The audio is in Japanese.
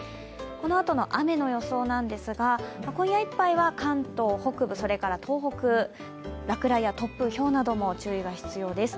このあとの雨の予想なんですが今夜いっぱいは関東北部、それから東北、落雷や突風、ひょうなども注意が必要です。